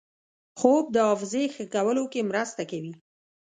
خوب د حافظې ښه کولو کې مرسته کوي